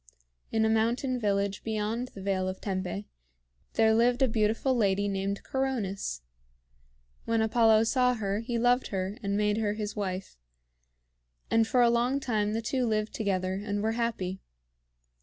In a mountain village beyond the Vale of Tempe, there lived a beautiful lady named Coronis. When Apollo saw her, he loved her and made her his wife; and for a long time the two lived together, and were happy.